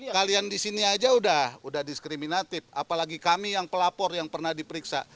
kalian di sini aja udah diskriminatif apalagi kami yang pelapor yang pernah diperiksa